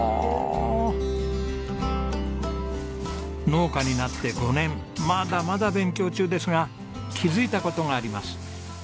農家になって５年まだまだ勉強中ですが気づいた事があります。